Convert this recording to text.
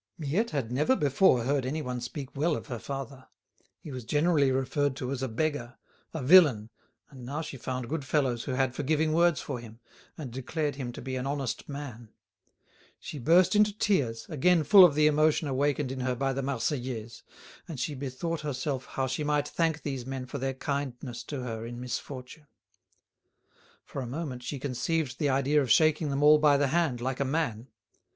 Miette had never before heard anyone speak well of her father. He was generally referred to as a beggar, a villain, and now she found good fellows who had forgiving words for him, and declared him to be an honest man. She burst into tears, again full of the emotion awakened in her by the "Marseillaise;" and she bethought herself how she might thank these men for their kindness to her in misfortune. For a moment she conceived the idea of shaking them all by the hand like a man.